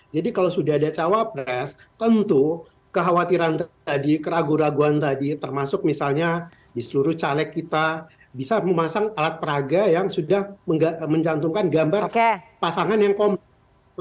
jadi kalau sudah ada cawapres tentu kekhawatiran tadi keraguan raguan tadi termasuk misalnya di seluruh caleg kita bisa memasang alat peraga yang sudah mencantumkan gambar pasangan yang komplit